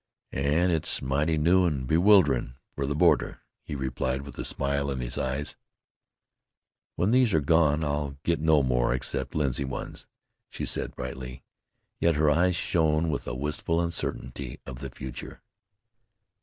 "An' it's mighty new an' bewilderin' for the border," he replied with a smile in his eyes. "When these are gone I'll get no more except linsey ones," she said brightly, yet her eyes shone with a wistful uncertainty of the future.